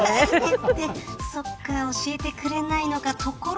そっか教えてくれないのか。